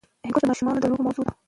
هندوکش د ماشومانو د لوبو موضوع ده.